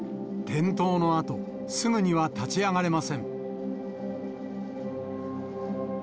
転倒のあと、すぐには立ち上がれません。